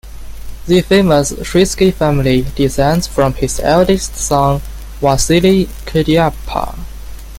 The famous Shuisky family descends from his eldest son, Vasily Kirdyapa.